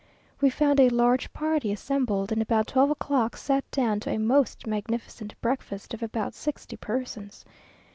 We found a large party assembled, and about twelve o'clock sat down to a most magnificent breakfast of about sixty persons.